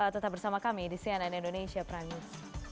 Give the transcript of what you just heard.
tetap bersama kami di cnn indonesia pranggis